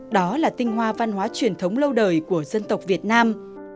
đó là tinh hoa văn hóa truyền thống lâu đời của dân tộc việt nam